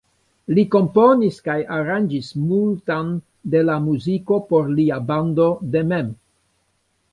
Li komponis kaj aranĝis multan de la muziko por lia bando de mem.